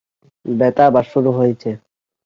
ব্যথা আবার শুরু হয়েছে।